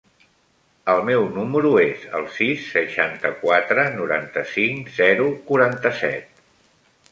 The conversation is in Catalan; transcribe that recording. El meu número es el sis, seixanta-quatre, noranta-cinc, zero, quaranta-set.